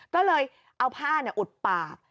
ก็เลยเอาผ้าอุดปาก